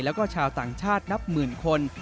แล้วก็ชาวต่างชาตินับหมื่นคน